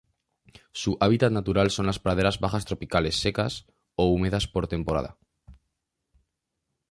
Su hábitat natural son las praderas bajas tropicales secas o húmedas por temporada.